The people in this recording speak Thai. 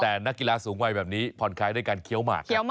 แต่นักกีฬาสูงวัยแบบนี้ผ่อนคลายด้วยการเคี้ยวหมากครับ